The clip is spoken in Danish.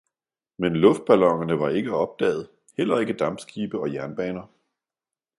Men luftballonerne var ikke opdaget, ikke heller dampskibe og jernbaner.